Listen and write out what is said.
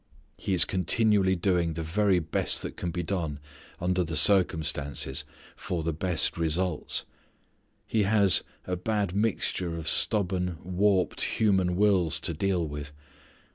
He is continually doing the very best that can be done under the circumstances for the best results. He has a bad mixture of stubborn warped human wills to deal with.